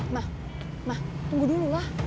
ma ma tunggu dulu lah